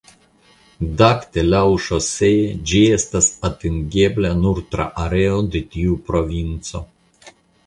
Dakte laŭŝosee ĝi estas atingebla nur tra areo de tiu provinco.